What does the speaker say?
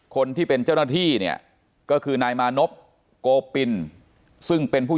คนที่เป็นเจ้าหน้าที่เนี่ยก็คือนายมานพโกปินซึ่งเป็นผู้